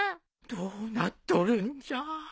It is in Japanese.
どうなっとるんじゃ。